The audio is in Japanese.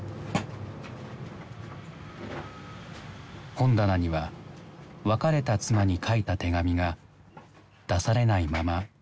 本棚には別れた妻に書いた手紙が出されないまま残されていた。